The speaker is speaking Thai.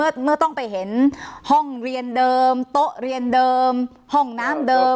เมื่อต้องไปเห็นห้องเรียนเดิมโต๊ะเรียนเดิมห้องน้ำเดิม